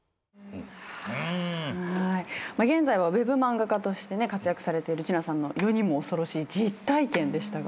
現在はウェブ漫画家として活躍されてるちなさんの世にも恐ろしい実体験でした。